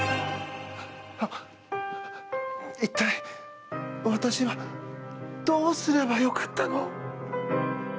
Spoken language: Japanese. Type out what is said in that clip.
一体、私はどうすればよかったの？